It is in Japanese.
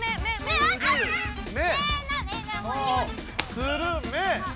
あ「するめ」。